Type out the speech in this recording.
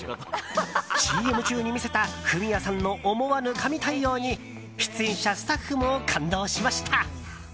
ＣＭ中に見せたフミヤさんの思わぬ神対応に出演者、スタッフも感動しました。